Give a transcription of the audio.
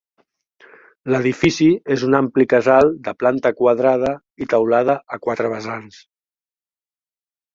L'edifici és un ampli casal de planta quadrada i teulada a quatre vessants.